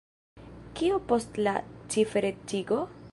Kio post la ciferecigo?